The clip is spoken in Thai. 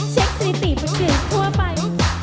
เช็คสถิติปัจจุทั่วไป